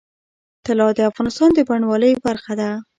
طلا د افغانستان د بڼوالۍ برخه ده.